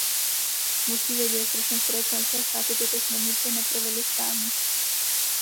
Musíme vědět, proč některé členské státy tyto směrnice neprovedly správně.